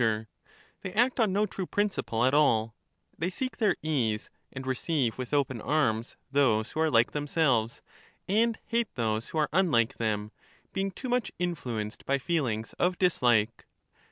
Sir, They act on no true principle at all ; they seek their Stuancbr, ease and receive with open arms those who are like them ^^^te». selves, and hate those who are unlike them, being too much influenced by feelings of dislike.